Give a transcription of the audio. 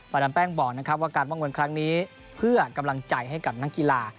ดามแป้งบอกนะครับว่าการป้องกันครั้งนี้เพื่อกำลังใจให้กับนักกีฬา